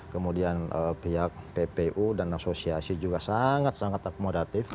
kemudian pihak ppu dan asosiasi juga sangat sangat akomodatif